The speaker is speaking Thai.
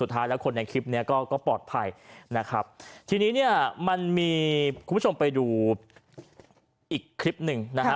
ทีนี้มันมีคุณผู้ชมไปดูอีกคลิปหนึ่งนะค่ะ